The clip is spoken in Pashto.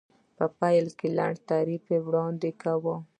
په پیل کې لنډ تعریف نه وړاندې کوم.